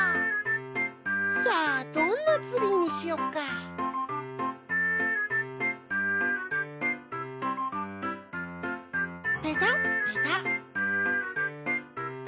さあどんなツリーにしよっかペタッペタッ